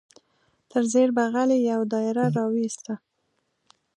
تر زیر بغل یې یو دایره را وایسته.